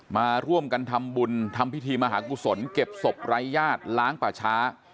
มาร่วมกันทำบุญทำพิธีมหากุศลเก็บศพไร้ญาติล้างป่าช้า